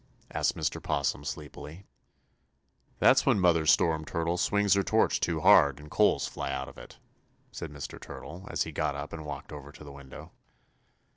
asked Mr. 'Possum sleepily. "That's when Mother Storm Turtle swings her torch too hard and coals fly out of it," said Mr. Turtle, as he got up and walked over to the window.